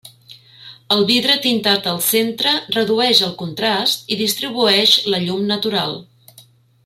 El vidre tintat al centre redueix el contrast i distribueix la llum natural.